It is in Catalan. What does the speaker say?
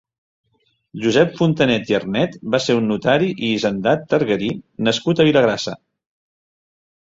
Josep Fontanet i Arnet va ser un notari i hisendat targarí nascut a Vilagrassa.